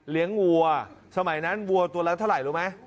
วัวสมัยนั้นวัวตัวละเท่าไหร่รู้ไหม